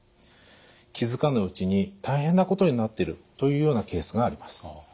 気付かぬうちに大変なことになってるというようなケースがあります。